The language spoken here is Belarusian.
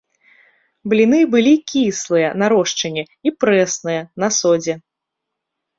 Бліны былі кіслыя, на рошчыне, і прэсныя, на содзе.